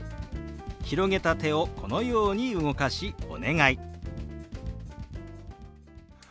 広げた手をこのように動かし「お願い」。